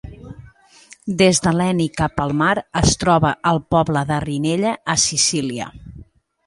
Des de Leni cap al mar es troba el poble de Rinella, a Sicília.